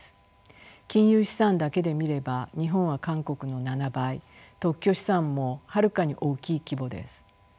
金融資産だけで見れば日本は韓国の７倍特許資産もはるかに大きい規模です。